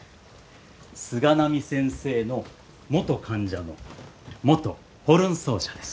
菅波先生の元患者の元ホルン奏者です。